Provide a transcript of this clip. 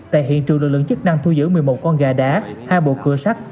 tại hiện trường lực lượng chức năng thu giữ một mươi một con gà đá hai bộ cửa sắt